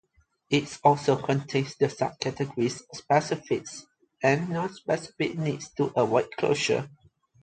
It also contains the subcategories specific and non-specific need to avoid closure.